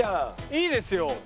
いいですよ。